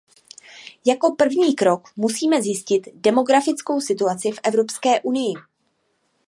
Jako první krok musíme zjistit demografickou situaci v Evropské unii.